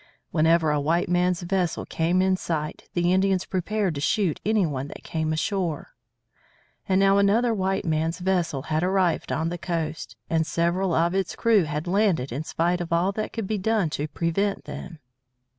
Whenever a white man's vessel came in sight, the Indians prepared to shoot any one that came ashore. And now another white man's vessel had arrived on the coast, and several of its crew had landed in spite of all that could be done to prevent them.